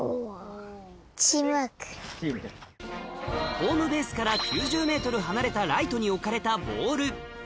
ホームベースから９０ｍ離れたライトに置かれたボール